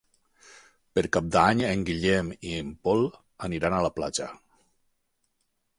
Per Cap d'Any en Guillem i en Pol aniran a la platja.